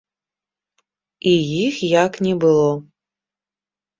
І іх як не было.